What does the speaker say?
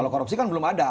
kalau korupsi kan belum ada